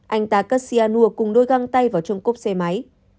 anh ta cất cyanur cùng đôi găng tay vào trong cốp xe máy